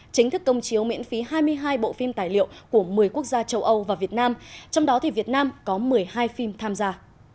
chính thức công chiếu miễn phí hai mươi hai bộ phim tài liệu của một mươi quốc gia châu âu và việt nam trong đó thì việt nam có một mươi hai phim tham gia